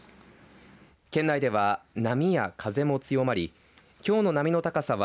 県内では波や風も強まりきょうの波の高さは